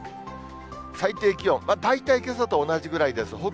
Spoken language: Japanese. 最低気温、大体けさと同じぐらいです。